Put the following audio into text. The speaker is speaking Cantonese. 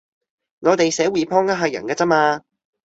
我哋寫 Report 呃下人㗎咋嘛